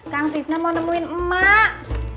kamtisnya mau nemuin emak